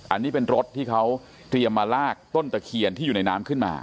อันนี้เป็นรถที่เขาเตรียมมาลากต้นตะเคียนที่อยู่ในน้ำขึ้นมา